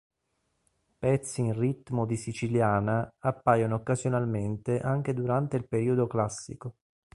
Pezzi in ritmo di siciliana appaiono occasionalmente anche durante il periodo classico.